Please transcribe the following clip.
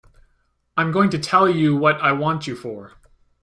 I'm going to tell you what I want you for.